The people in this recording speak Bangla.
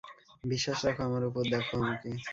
বিশ্বাস রাখো আমার উপর, দেখো আমাকে।